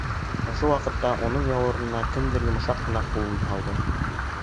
Ошо ваҡыт уның яурынына кемдер йомшаҡ ҡына ҡулын һалды.